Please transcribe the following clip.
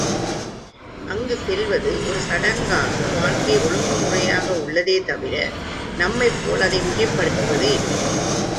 அங்குச் செல்வது ஒரு சடங்காக வாழ்க்கை ஒழுங்குமுறையாக உள்ளதே தவிர நம்மைப் போல் அதை மிகைப்படுத்துவது இல்லை.